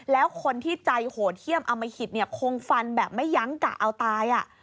แล้วคนที่ใจโหเที่ยมเอามาหิดคงฟันแบบไม่ยั้งกะเอาตาย